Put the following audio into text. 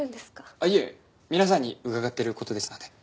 あっいえ皆さんに伺ってる事ですので。